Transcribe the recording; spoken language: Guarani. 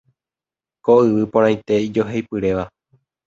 Ko yvy porãite ijoheipyréva